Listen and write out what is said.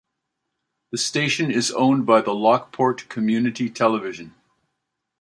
The station is owned by Lockport Community Television.